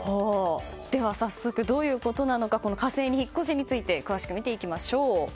では、早速どういうことなのか火星に引っ越しについて詳しく見ていきましょう。